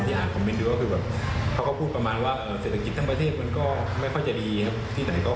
อย่างน้อยคือเรายังถ่ายไม่ได้ไม่เป็นไรแต่ว่าเขานู้จักเราก่อน